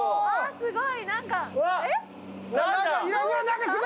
すごい！